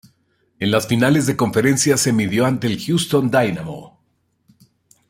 En las finales de conferencia se midió ante el Houston Dynamo.